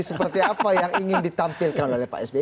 seperti apa yang ingin ditampilkan oleh pak sby